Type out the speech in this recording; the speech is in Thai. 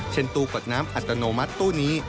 ตู้กดน้ำอัตโนมัติตู้นี้